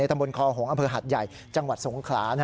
ตำบลคอหงษ์อำเภอหัดใหญ่จังหวัดสงขลา